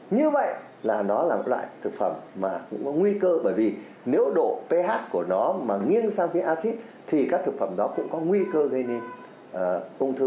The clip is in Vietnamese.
như vậy là nó là một loại thực phẩm mà cũng có nguy cơ bởi vì nếu độ ph của nó mà nghiêng sang phía acid thì các thực phẩm đó cũng có nguy cơ gây nên ung thư